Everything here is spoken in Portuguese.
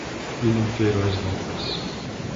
Willian Queiroz Lopes